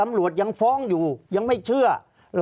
ภารกิจสรรค์ภารกิจสรรค์